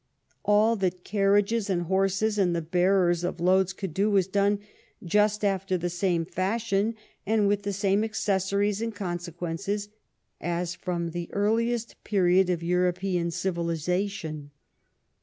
All that carriages and horses and the bearers of loads could do was done just after the same fashion, and with the same accessories and consequences^ as from the earliest period of Euro pean civilization.